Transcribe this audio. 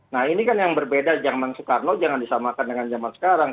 nah ini kan yang berbeda zaman soekarno jangan disamakan dengan zaman sekarang